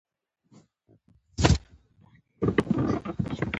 هغوی چې د تکنالوژیکي جګړو په ذوق راوستي باید په دې وپوهیږي.